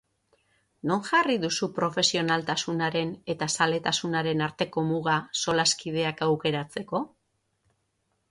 Non jarri duzu profesionaltasunaren eta zaletasunaren arteko muga solaskideak aukeratzeko?